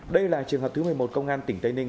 đây là trường hợp thứ một mươi một công an tỉnh tây ninh